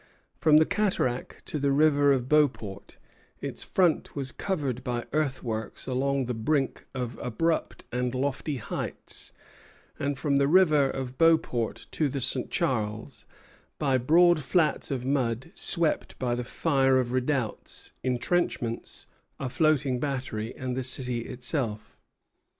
From the cataract to the river of Beauport, its front was covered by earthworks along the brink of abrupt and lofty heights; and from the river of Beauport to the St. Charles, by broad flats of mud swept by the fire of redoubts, intrenchments, a floating battery, and the city itself.